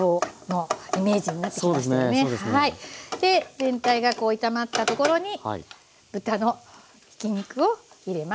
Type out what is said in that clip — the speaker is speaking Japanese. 全体がこう炒まったところに豚のひき肉を入れます。